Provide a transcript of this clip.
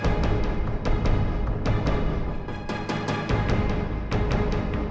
kalau udah roti sama itu gua nohon